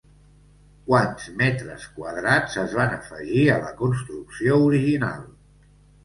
Quants metres quadrats es van afegir a la construcció original?